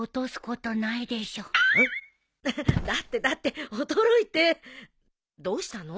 だってだって驚いてどうしたの？